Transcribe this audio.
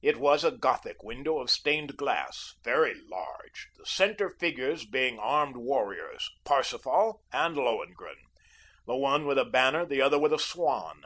It was a Gothic window of stained glass, very large, the centre figures being armed warriors, Parsifal and Lohengrin; the one with a banner, the other with a swan.